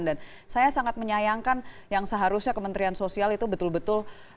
dan saya sangat menyayangkan yang seharusnya kementerian sosial itu betul betul